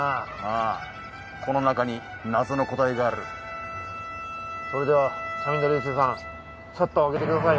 あこの中に謎の答えがあるそれではチャミンダ龍静さんシャッターを開けてください